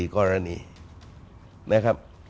กรณีนะครับ